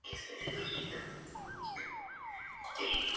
Tamariz, ministro del Gabinete Huertista fue lo que lo salvó.